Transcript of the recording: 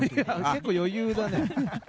結構余裕だね。